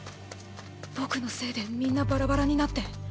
僕のせいでみんなバラバラになって。